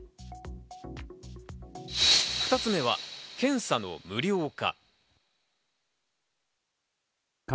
２つ目は検査の無料化。